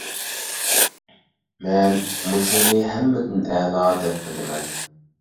مەن مۇشۇنى ھەممىدىن ئەلا دەپ بىلىمەن.